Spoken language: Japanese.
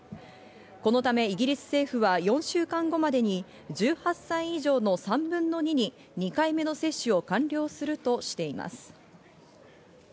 このためイギリス政府は４週間後までに１８歳以上の３分の２に２回目の接種を完了するとしています。